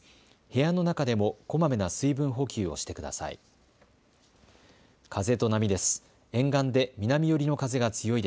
部屋の中でもこまめな水分補給をしてください。